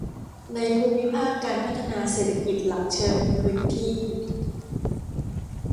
ในภูมิภาคการพัฒนาเศรษฐกิจหลักเชิงพื้นที่